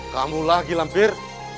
kamu lagi lampir